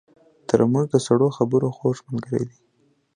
ترموز د سړو خبرو خوږ ملګری دی.